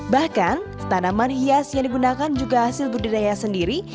bahkan tanaman hias yang digunakan juga hasil budidaya sendiri